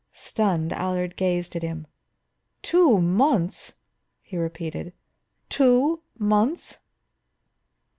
Stunned, Allard gazed at him. "Two months?" he repeated. "Two months?"